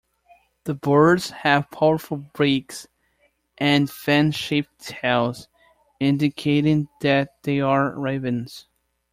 The birds have powerful beaks and fan-shaped tails, indicating that they are ravens.